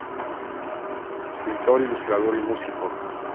Pintor, Ilustrador y Músico.